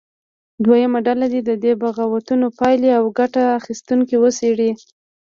دویمه ډله دې د دې بغاوتونو پایلې او ګټه اخیستونکي وڅېړي.